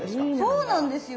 そうなんですよ。